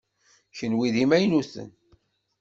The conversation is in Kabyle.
Kenwi d imaynuten?